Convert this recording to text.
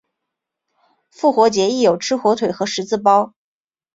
复活节亦有吃火腿和十字包。